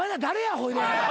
ほいで。